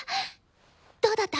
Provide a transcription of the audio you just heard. どうだった？